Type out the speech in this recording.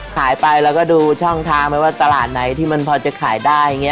ขายไปแล้วก็ดูช่องทางไปว่าตลาดไหนที่มันพอจะขายได้อย่างนี้